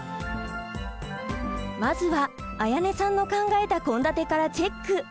まずは絢音さんの考えた献立からチェック。